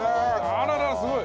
あららすごい。